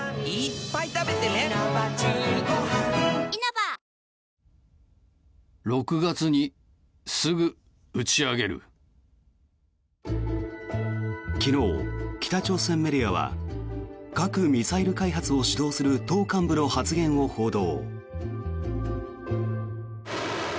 バッて起きまして昨日、北朝鮮メディアは核・ミサイル開発を主導する党幹部の発言を報道。